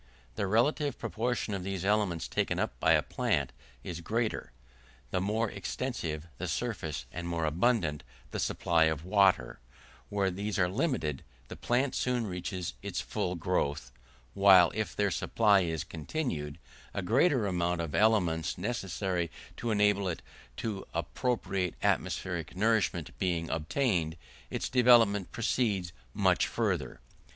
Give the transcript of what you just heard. The relative proportion of these elements taken up by a plant, is greater, the more extensive the surface and more abundant the supply of water; where these are limited, the plant soon reaches its full growth, while if their supply is continued, a greater amount of elements necessary to enable it to appropriate atmospheric nourishment being obtained, its development proceeds much further.